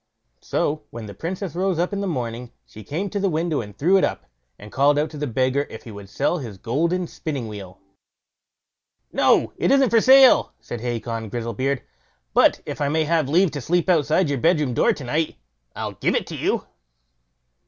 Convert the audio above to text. So when the Princess rose up in the morning, she came to the window and threw it up, and called out to the beggar if he would sell his golden spinning wheel? "No; it isn't for sale", said Hacon Grizzlebeard; "but if I may have leave to sleep outside your bedroom door to night, I'll give it you."